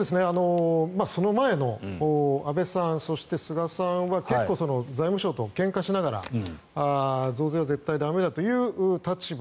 その前の安倍さん、そして菅さんは結構、財務省とけんかしながら増税は絶対駄目だという立場